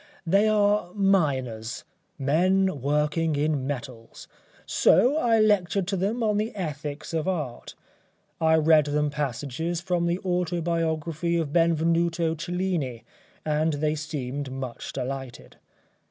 They are miners men working in metals, so I lectured to them on the Ethics of Art. I read them passages from the autobiography of Benvenuto Cellini and they seemed much delighted.